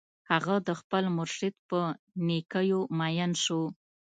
هغه د خپل مرشد په نېکیو مین شو